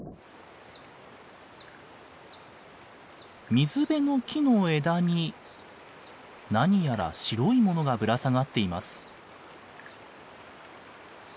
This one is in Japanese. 水辺の木の枝に何やら白いものがぶら下がっています。